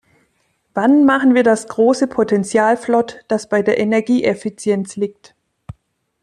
Wann machen wir das große Potenzial flott, das bei der Energieeffizienz liegt?